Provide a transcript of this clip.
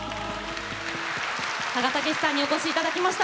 鹿賀丈史さんにお越しいただきました。